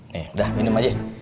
nih udah minum aja